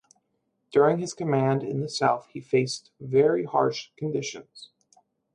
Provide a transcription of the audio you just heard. During his command in the South, he faced very harsh conditions.